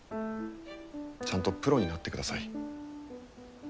ちゃんとプロになってください。